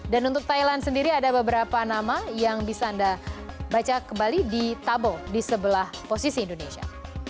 dan untuk thailand sendiri ada beberapa nama yang bisa anda baca kembali di tabel di sebelah posisi indonesia